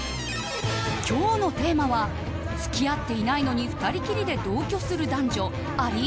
今日のテーマは付き合っていないのに２人きりで同居する男女あり？